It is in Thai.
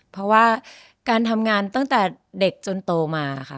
เพราะว่าการทำงานตั้งแต่เด็กจนโตมาค่ะ